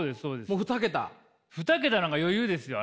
もう２桁？２桁なんか余裕ですよ。